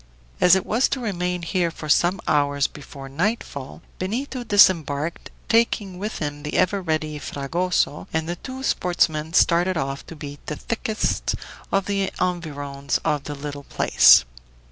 As it was to remain here for some hours before nightfall, Benito disembarked, taking with him the ever ready Fragoso, and the two sportsmen started off to beat the thickets in the environs of the little place.